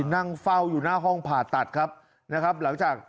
นั่งเฝ้าอยู่หน้าห้องผ่าตัดครับนะครับหลังจาก